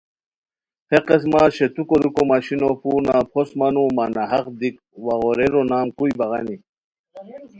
ہے قسمہ شیتو کوریکو مشینو پورنہ پھوست مانو مانہ حق دیک وا غوریرو نام کوئیی بغانی